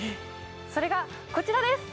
それがこちらです！